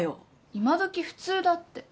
今どき普通だって。